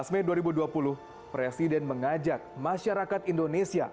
dua belas mei dua ribu dua puluh presiden mengajak masyarakat indonesia